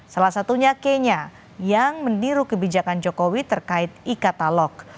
salah satunya kenya yang meniru kebijakan jokowi terkait e katalog